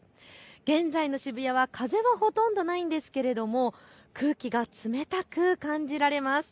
現在の渋谷は風はほとんどないんですが空気が冷たく感じられます。